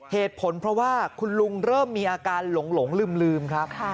เหตุผลเพราะว่าคุณลุงเริ่มมีอาการหลงลืมครับ